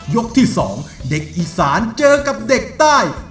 ที่๒เด็กอีสานเจอกับเด็กใต้